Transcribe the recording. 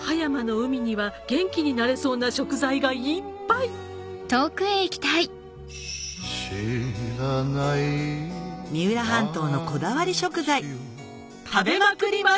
葉山の海には元気になれそうな食材がいっぱい三浦半島のこだわり食材食べまくります！